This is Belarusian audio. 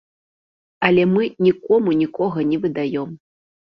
Але мы нікому нікога не выдаём.